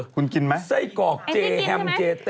คุณกินไหม